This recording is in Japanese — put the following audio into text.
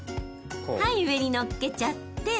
はい上にのっけちゃって。